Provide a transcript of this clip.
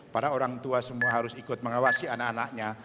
para orang tua semua harus ikut mengawasi anak anaknya